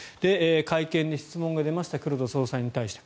会見で質問が出ました黒田総裁に対して。